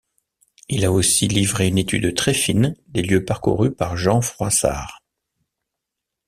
Il a aussi livré une étude très fine des lieux parcourus par Jean Froissart.